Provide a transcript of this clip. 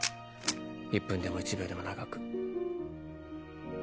１分でも１秒でも長く。